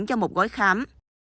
cho một gói khám